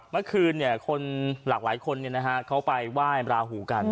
เมื่อคืนคนหลากหลายคนเขาไปไหว้ราหูกัน